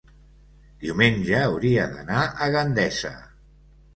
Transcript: diumenge hauria d'anar a Gandesa.